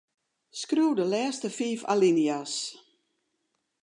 Skriuw de lêste fiif alinea's.